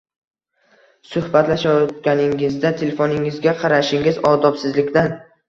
Suhbatlashayotganingizda telefoningizga qarashingiz odobsizlikdan.